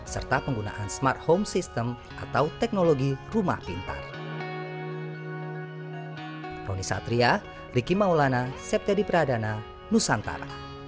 serta penggunaan smart home system atau teknologi rumah pintar